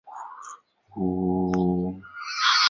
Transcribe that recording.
电动机转子就旋转起来了。